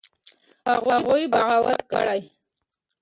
هغوى بغاوت کړى.